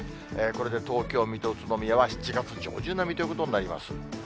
これで東京、水戸、宇都宮は７月上旬並みということになります。